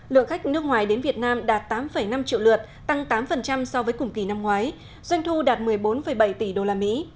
lượng khách nước ngoài đến việt nam đạt tám năm triệu lượt tăng tám so với cùng kỳ năm ngoái doanh thu đạt một mươi bốn bảy tỷ usd